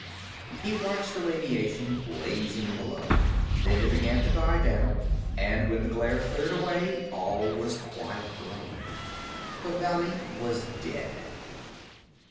He watched the radiation blazing below. Then it began to die down, and when the glare cleared away, all was quiet below. The valley was dead.